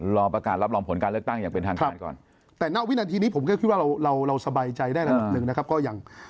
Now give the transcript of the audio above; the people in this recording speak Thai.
รอประกาศรับรองผลการเลือกตั้งอย่างเป็นทางคาญก่อน